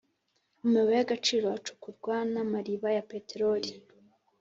amabuye y’agaciro acukurwa n’amariba ya peterori.